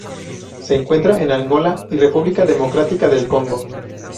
Se encuentra en Angola y República Democrática del Congo.